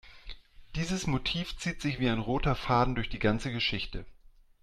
Dieses Motiv zieht sich wie ein roter Faden durch die ganze Geschichte.